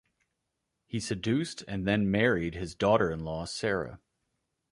He seduced and then married his daughter-in-law, Sarah.